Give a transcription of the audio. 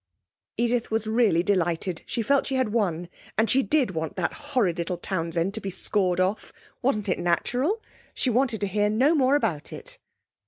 Edith was really delighted, she felt she had won, and she did want that horrid little Townsend to be scored off! Wasn't it natural? She wanted to hear no more about it.